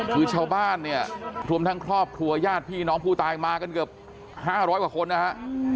คือชาวบ้านเนี่ยรวมทั้งครอบครัวญาติพี่น้องผู้ตายมากันเกือบ๕๐๐กว่าคนนะฮะ